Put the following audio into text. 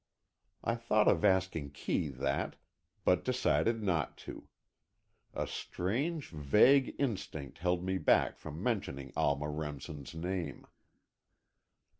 I thought of asking Kee that, but decided not to. A strange, vague instinct held me back from mentioning Alma Remsen's name.